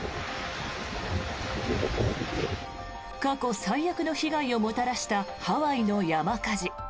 過去最悪の被害をもたらしたハワイの山火事。